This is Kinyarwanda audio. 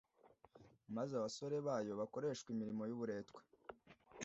maze abasore bayo bakoreshwe imirimo y’uburetwa.